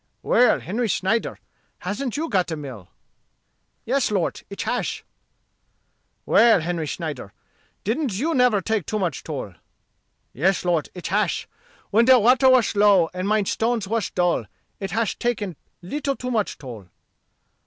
"Well, Henry Snyder, hasn't you got a mill?" "Yes, Lort, ich hash." "Well, Henry Snyder, didn't you never take too much toll?" "Yes, Lort, ich hash; when der water wash low, and mein stones wash dull, ich hash taken leetle too much toll."